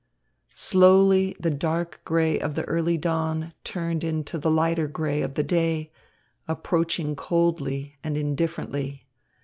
Slowly the dark grey of the early dawn turned into the lighter grey of the day, approaching coldly and indifferently.